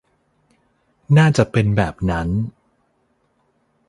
น่าจะเป็นแบบนั้น